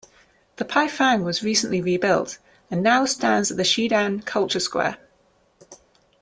The paifang was recently rebuilt, and now stands at the Xidan Culture Square.